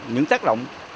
những tác động